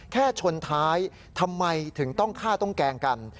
ชนท้ายทำไมถึงต้องฆ่าต้องแกล้งกัน